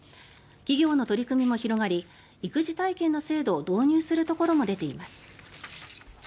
企業の取り組みも広がり育児体験の制度を導入するところも出ています。